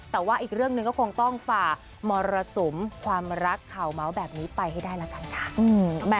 แต่ว่าอีกเรื่องหนึ่งก็คงต้องฝ่ามรสุมความรักข่าวเมาส์แบบนี้ไปให้ได้ละกันค่ะ